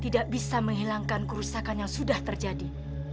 tidak bisa menghilangkan kerusakan yang sudah terjadi